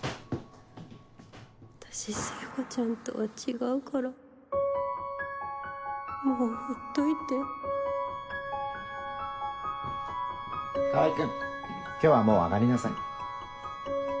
私聖子ちゃんとは違うからもうほっといて川合君今日はもう上がりなさい。